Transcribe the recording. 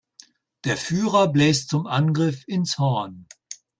Der Führer bläst zum Angriff ins Horn.